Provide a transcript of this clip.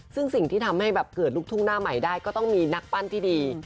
ซึ่งสิ่งที่ทำให้แบบเกิดลูกทุ่งหน้าใหม่ได้ก็ต้องมีนักปั้นที่ดี